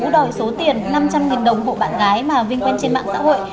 đòi số tiền năm trăm linh đồng bộ bạn gái mà vinh quen trên mạng xã hội